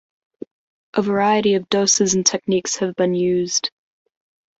A variety of doses and techniques have been used.